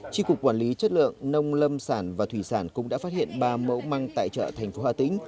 tri cục quản lý chất lượng nông lâm sản và thủy sản cũng đã phát hiện ba mẫu măng tại chợ thành phố hà tĩnh